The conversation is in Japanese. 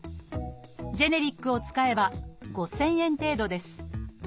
ジェネリックを使えば５，０００円程度です。